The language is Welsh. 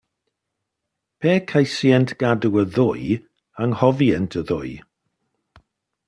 Pe ceisient gadw'r ddwy, anghofient y ddwy.